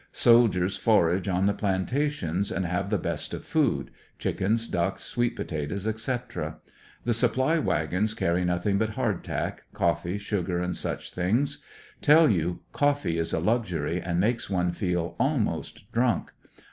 Soldiers forage on the plantations, and have the best of food; chickens, ducks, sweet potatoes, etc. The supply wagons carry nothing but hard tack, coffee, sugar and such things. Tell you, coffee is a luxury, and makes one feel almost drunk.